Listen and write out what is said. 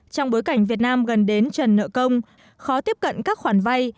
trong bối cảnh việt nam gần đến trần nợ công khó tiếp cận các khoản vay